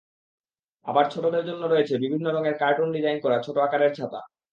আবার ছোটদের জন্য রয়েছে বিভিন্ন রঙের কার্টুনের ডিজাইন করা ছোট আকারের ছাতা।